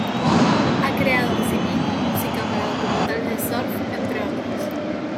Ha creado asimismo música para documentales de surf entre otros.